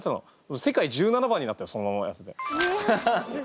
世界１７番になったよそのままやってて。